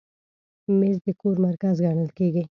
مېز د کور مرکز ګڼل کېږي.